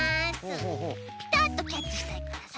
ピタッとキャッチしたいからさ。